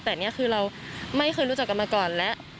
แต่คือเราไม่เคยรู้จักกันมาก่อน